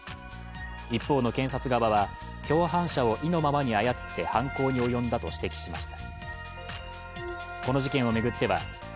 一方の検察側は、共犯者を意のままに操って犯行に及んだと指摘しました。